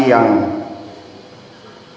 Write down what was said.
yang berkaitan dengan